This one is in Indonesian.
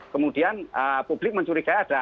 kemudian publik mencurigai ada